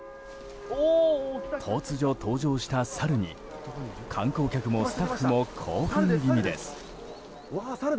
突如登場したサルに観光客もスタッフも興奮気味です。